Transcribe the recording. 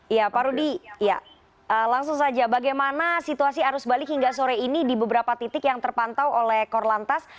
ya pak rudy langsung saja bagaimana situasi arus balik hingga sore ini di beberapa titik yang terpantau oleh korlantas